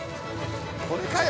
「これかよ！」